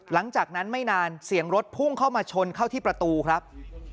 หลังจากนั้นไม่นานเสียงรถพุ่งเข้ามาชนเข้าที่ประตูครับ